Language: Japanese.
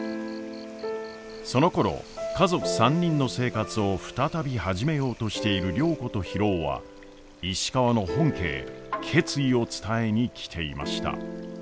そのころ家族３人の生活を再び始めようとしている良子と博夫は石川の本家へ決意を伝えに来ていました。